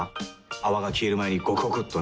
泡が消える前にゴクゴクっとね。